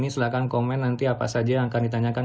silahkan komen nanti apa saja yang akan ditanyakan